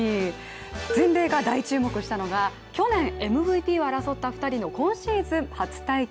全米が大注目したのが去年ＭＶＰを争った２人の、今シーズン初対決。